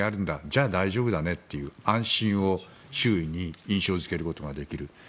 じゃあ大丈夫だねという安心を周囲に印象付けることができる。